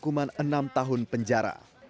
dengan ancaman hukuman enam tahun penjara